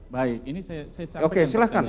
baik ini saya sampaikan pertanyaan saya